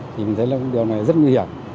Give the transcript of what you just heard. thì mình thấy là điều này rất nguy hiểm